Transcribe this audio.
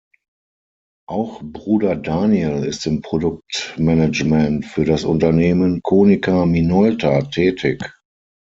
Auch Bruder Daniel ist im Produktmanagement für das Unternehmen Konica Minolta tätig.